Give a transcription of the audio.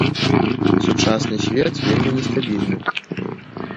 Сучасны свет вельмі нестабільны.